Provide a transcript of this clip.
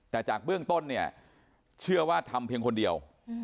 แต่จากเบื้องต้นเนี่ยเชื่อว่าทำเพียงคนเดียว